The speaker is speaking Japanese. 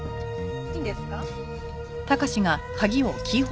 いいんですか？